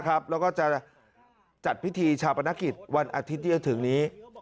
แล้วก็จะจัดพิธีชาปนกิจวันอาทิตย์ที่จะถึงนี้